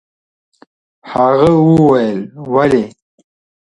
هغه وويل: ولې؟